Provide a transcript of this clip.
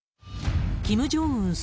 キム・ジョンウン